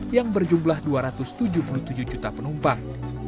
yang berjumlah dua ratus tujuh puluh tujuh juta penumpang